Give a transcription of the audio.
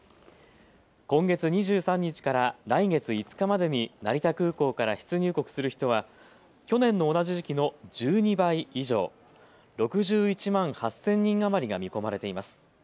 今月２３日から来月５日までに成田空港から出入国する人は去年の同じ時期の１２倍以上、６１万８０００人余りが見込まれています。